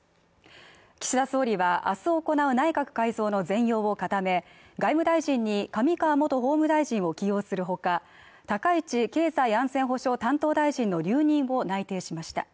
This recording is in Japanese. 岸田総理は明日行う内閣改造の全容を固め外務大臣に上川元法務大臣を起用するほか高市経済安全保障担当大臣の留任を内定しました